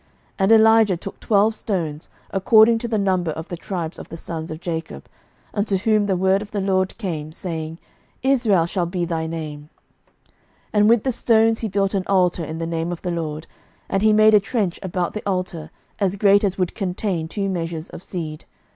11:018:031 And Elijah took twelve stones, according to the number of the tribes of the sons of Jacob, unto whom the word of the LORD came, saying, Israel shall be thy name: 11:018:032 And with the stones he built an altar in the name of the LORD: and he made a trench about the altar, as great as would contain two measures of seed.